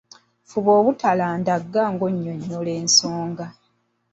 Fuba obutalandagga ng'onyonnyola ensonga.